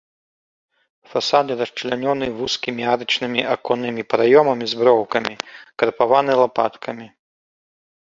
Фасады расчлянёны вузкімі арачнымі аконнымі праёмамі з броўкамі, крапаваны лапаткамі.